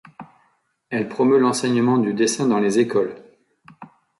Elle promeut l'enseignement du dessin dans les écoles.